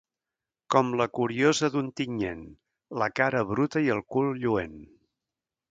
Com la curiosa d'Ontinyent, la cara bruta i el cul lluent.